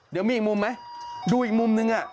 เดี๋ยวมีอีกมุมไหมดูอีกมุมนึง